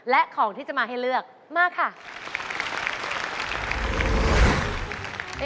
และของที่จะมาให้เลือกมาค่ะ